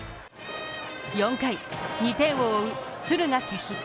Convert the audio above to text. ４回、２点を追う敦賀気比。